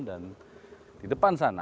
dan di depan sana